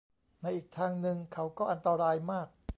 ในอีกทางนึง เขาก็อันตรายมาก